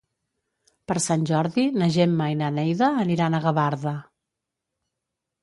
Per Sant Jordi na Gemma i na Neida aniran a Gavarda.